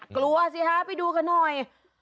กลัวสิฮะไปดูกันหน่อย